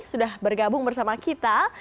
sudah bergabung bersama kita